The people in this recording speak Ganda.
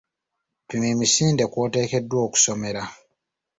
Pima emisinde kw'oteekeddwa okusomera.